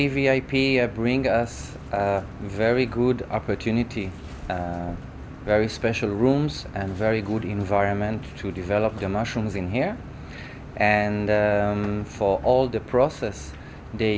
vì vậy chúng ta có thể phát triển bản thân và năng lực mà chúng ta thực sự cần